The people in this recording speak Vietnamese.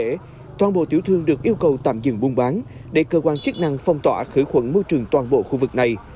ngoài ra toàn bộ tiểu thương được yêu cầu tạm dừng buôn bán để cơ quan chức năng phong tỏa khởi khuẩn môi trường toàn bộ khu vực này